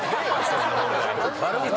そんな問題。